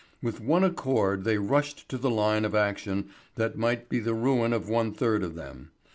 With one accord they rushed to the line of action that might be the ruin of one third of them.